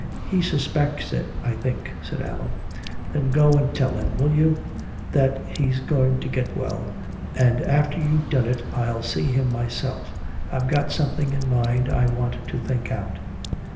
"He suspects it, I think," said Allan. "Then go and tell him, will you, that he's going to get well. And after you've done it I'll see him myself. I've got something in mind I want to think out."